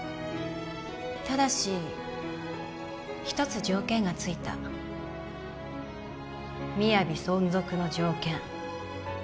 ただし一つ条件が付いたＭＩＹＡＶＩ存続の条件